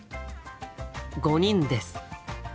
５人です。